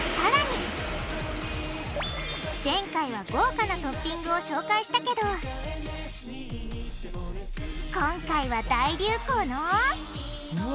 前回は豪華なトッピングを紹介したけど今回は大流行のうわ！